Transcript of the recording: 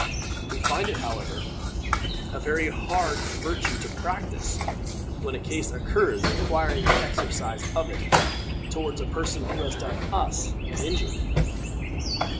We find it, however, a very hard virtue to practice, when a case occurs requiring the exercise of it toward a person who has done us an injury.